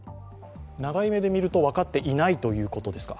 長い目で見ると分かっていないということですか？